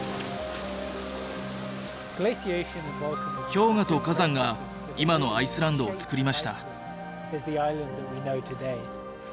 氷河と火山が今のアイスランドをつくりました。